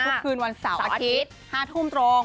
คืนวันเสาร์อาทิตย์๕ทุ่มตรง